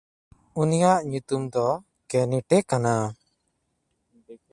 ᱩᱱᱤᱭᱟᱜ ᱧᱩᱛᱩᱢ ᱫᱚ ᱠᱮᱱᱭᱮᱴᱮ ᱠᱟᱱᱟ᱾